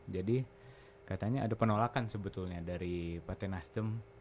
jadi katanya ada penolakan sebetulnya dari pak tenastem